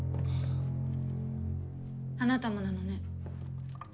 ・あなたもなのね